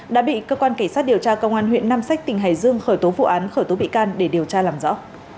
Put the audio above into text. đã bị cơ quan cảnh sát điều tra công an huyện nam sách tỉnh hải dương khởi tố vụ án khởi tố bị can để điều tra làm rõ